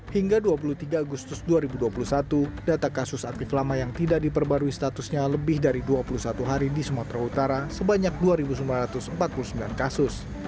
hingga dua puluh tiga agustus dua ribu dua puluh satu data kasus aktif lama yang tidak diperbarui statusnya lebih dari dua puluh satu hari di sumatera utara sebanyak dua sembilan ratus empat puluh sembilan kasus